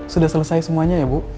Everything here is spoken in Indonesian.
sudah selesai semuanya ya bu